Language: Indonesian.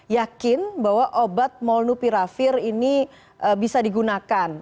yakin bahwa obat molnupiravir ini bisa digunakan